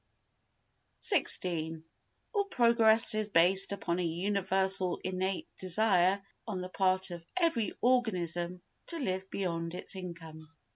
xvi All progress is based upon a universal innate desire on the part of every organism to live beyond its income.